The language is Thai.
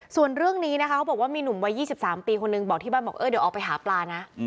ส่วนเรื่องนี้นะคะเขาบอกว่ามีหนุ่มวัย๒๓ปีคนหนึ่งบอกที่บ้านบอกเออเดี๋ยวออกไปหาปลานะ